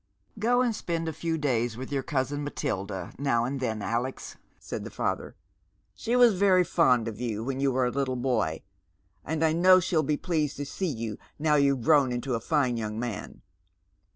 " Go and spend a few days with your cousin Matilda now and then, Alex," said the father. " She was very fond of you when you were a little boy, and I know she'll bo pleased to see you now you've grown into a fine young man.